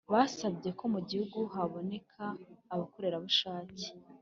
Basabye ko mu gihugu haboneka abakorerabushake